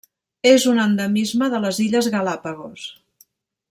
És un endemisme de les illes Galápagos.